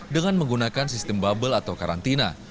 dengan menggunakan sistem bubble atau karantina